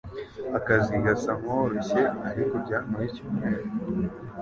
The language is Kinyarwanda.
Akazi gasa nkoroshye, ariko byantwaye icyumweru.